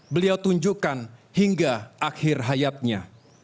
beliau tunjukkan hingga akhir hayatnya